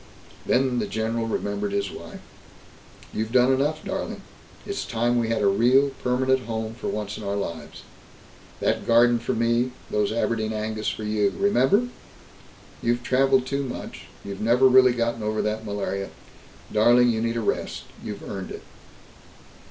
Then the general remembered his wife: "You've done enough, darling. It's time we had a real permanent home for once in our lives. That garden for me, those Aberdeen Angus for you remember? You've traveled too much; you've never really gotten over that malaria. Darling, you need a rest. You've earned it."